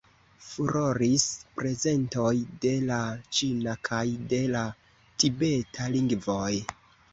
Furoris prezentoj de la ĉina kaj de la tibeta lingvoj.